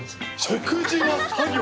食事は作業？